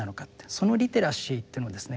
そのリテラシーっていうのをですね